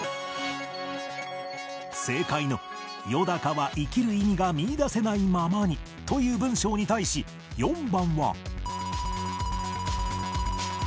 正解の「よだかは生きる意味が見いだせないままに」という文章に対し４番は